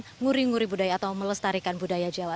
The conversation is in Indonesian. dan nguri nguri budaya atau melestarikan budaya jawa